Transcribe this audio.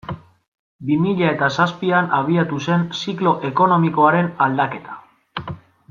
Bi mila eta zazpian abiatu zen ziklo ekonomikoaren aldaketa.